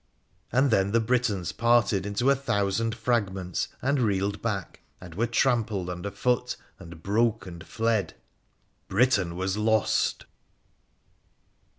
And then the Britons parted into a thousand fragments and reeled back, and were trampled under foot, and broke and fled ! Britain was lost